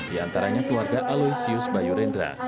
diantaranya keluarga aloisius bayurendra